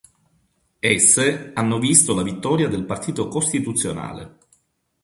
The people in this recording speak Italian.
Esse hanno visto la vittoria del Partito Costituzionale.